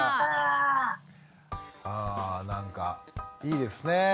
あなんかいいですね。